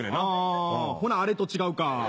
あほなあれと違うか。